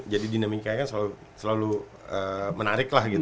jadi dinamikanya selalu menarik